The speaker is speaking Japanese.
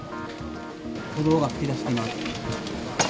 炎が噴き出しています。